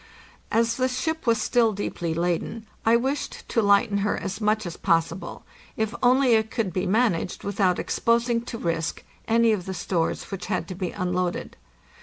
As the ship was still deeply laden, I wished to lighten her as much as possible, if only it could be managed without exposing to risk any of the stores which had to be unloaded.